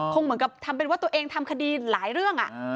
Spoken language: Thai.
คงเหมือนกับทำเป็นว่าตัวเองทำคดีหลายเรื่อง